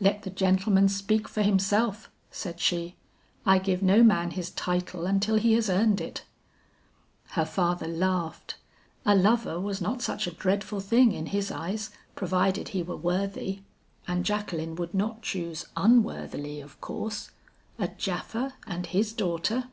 'Let the gentleman speak for himself,' said she, 'I give no man his title until he has earned it.' "Her father laughed. A lover was not such a dreadful thing in his eyes provided he were worthy. And Jacqueline would not choose unworthily of course a Japha and his daughter!